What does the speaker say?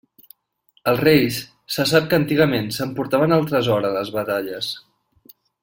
Els reis se sap que antigament s'emportaven el tresor a les batalles.